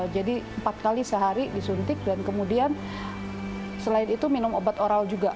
jadi empat kali sehari disuntik dan kemudian selain itu minum obat oral juga